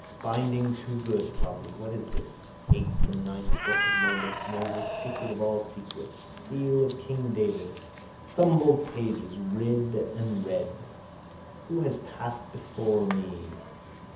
Binding too good probably. What is this? Eighth and ninth book of Moses. Secret of all secrets. Seal of King David. Thumbed pages: read and read. Who has passed here before me?